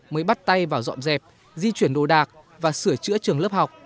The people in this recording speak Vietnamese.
mới bắt tay vào dọn dẹp di chuyển đồ đạc và sửa chữa trường lớp học